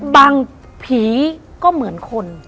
บางทีก็เหมือนคน